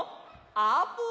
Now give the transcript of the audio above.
あーぷん